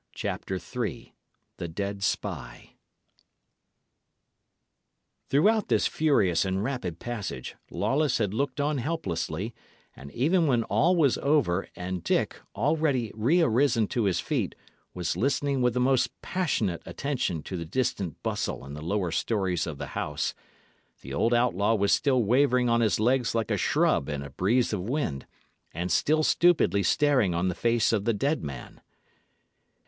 CHAPTER III THE DEAD SPY Throughout this furious and rapid passage, Lawless had looked on helplessly, and even when all was over, and Dick, already re arisen to his feet, was listening with the most passionate attention to the distant bustle in the lower storeys of the house, the old outlaw was still wavering on his legs like a shrub in a breeze of wind, and still stupidly staring on the face of the dead man.